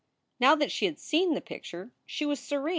Now that she had seen the picture she was serene.